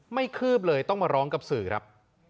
คืบเลยต้องมาร้องกับสื่อครับ